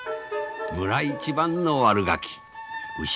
村一番の悪ガキ牛